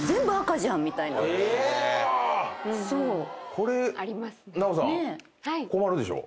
これ奈緒さん困るでしょ？